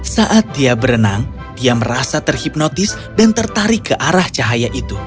saat dia berenang dia merasa terhipnotis dan tertarik ke arah cahaya itu